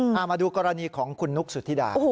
เอามาดูกรณีของคุณนุ๊กสุธิดา